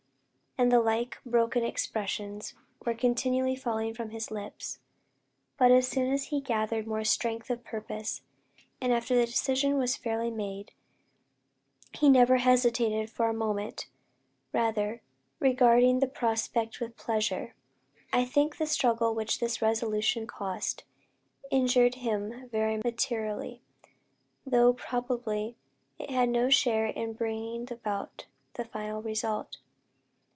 and the like broken expressions, were continually falling from his lips. But he soon gathered more strength of purpose; and after the decision was fairly made, he never hesitated for a moment, rather regarding the prospect with pleasure. I think the struggle which this resolution cost, injured him very materially; though probably it had no share in bringing about the final result.